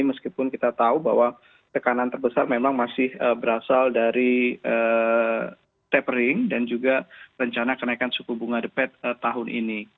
meskipun kita tahu bahwa tekanan terbesar memang masih berasal dari tapering dan juga rencana kenaikan suku bunga the fed tahun ini